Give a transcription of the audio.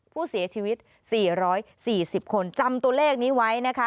ผู้เสียชีวิต๔๔๐คนจำตัวเลขนี้ไว้นะคะ